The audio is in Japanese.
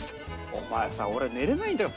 「お前さ俺寝れないんだよ」